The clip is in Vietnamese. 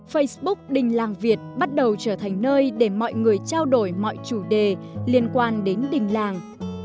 facebook đình làng việt bắt đầu trở thành nơi để mọi người trao đổi mọi chủ đề liên quan đến đình làng